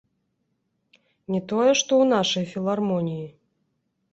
Не тое, што ў нашай філармоніі.